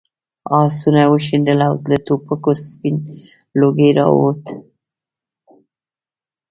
آسونه وشڼېدل او له ټوپکو سپین لوګی راووت.